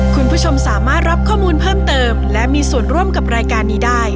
คุณผู้ชมสามารถรับข้อมูลเพิ่มเติมและมีส่วนร่วมกับรายการนี้ได้